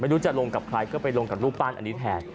ไม่รู้จะลงกับใครก็ไปลงกับรูปปั้นอันนี้แทน